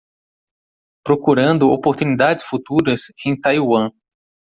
Procurando oportunidades futuras em Taiwan